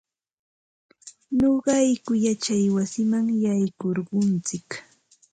Nuqayku yachay wasiman yaykurquntsik.